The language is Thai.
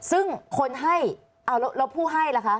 ซึ่งคนให้เอาแล้วผู้ให้ล่ะคะ